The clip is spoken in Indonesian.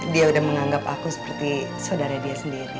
dia udah menganggap aku seperti saudara dia sendiri